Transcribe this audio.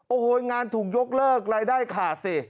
โอ้โหงานถูกยกเลิกรายได้ขาดสิ